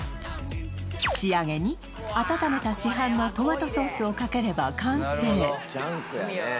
仕上げに温めた市販のトマトソースをかければ完成